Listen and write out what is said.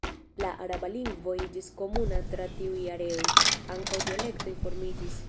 La araba lingvo iĝis komuna tra tiuj areoj; ankaŭ dialektoj formiĝis.